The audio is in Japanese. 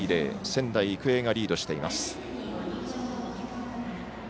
仙台育英がリードしています。